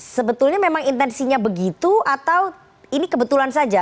sebetulnya memang intensinya begitu atau ini kebetulan saja